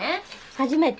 初めて？